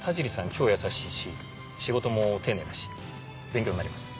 超優しいし仕事も丁寧だし勉強になります。